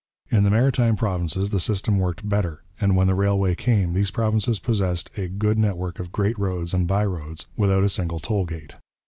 In the Maritime Provinces the system worked better, and when the railway came these provinces possessed a good network of great roads and by roads, without a single toll gate.